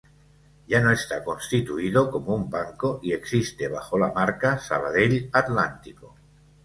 Ya no está constituido como un banco y existe bajo la marca "Sabadell Atlántico".